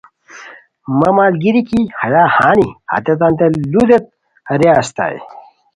مہ ملگیری کی ہیا ہانی ہتیتانتے لو دیت را اسیتائے